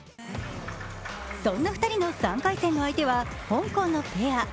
そんな２人の３回戦の相手は香港のペア。